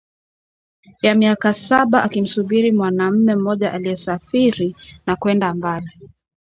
ya miaka saba akimsubiri mwanamme mmoja aliyesafiri na kwenda mbali